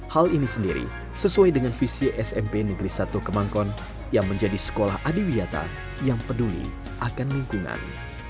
hal ini sendiri sesuai dengan visi smp negeri satu kemangkon yang menjadi sekolah adiwiata yang peduli akan lingkungan